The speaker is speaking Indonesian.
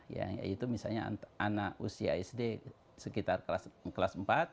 ya yaitu misalnya anak usia sd sekitar kelas empat